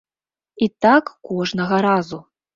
І так кожнага разу.